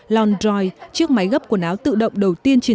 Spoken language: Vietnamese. l androi chiếc máy gấp quần áo tự động đầu tiên trên thị trường